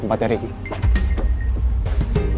tempatnya ada di sini